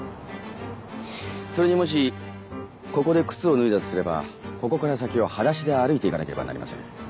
それにもしここで靴を脱いだとすればここから先は裸足で歩いていかなければなりません。